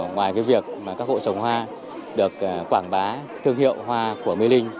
ngoài cái việc mà các hộ trồng hoa được quảng bá thương hiệu hoa của mê linh